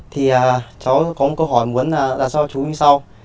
thì cháu có một câu hỏi muốn đặt cho chú như sau